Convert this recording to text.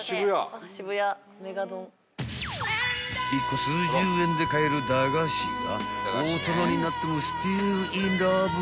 ［１個数十円で買える駄菓子が大人になってもスティルインラブ］